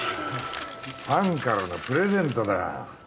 ファンからのプレゼントだ。